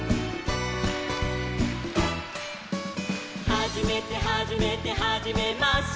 「はじめてはじめてはじめまして」